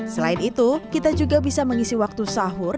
selain itu kita juga bisa mengisi waktu sahur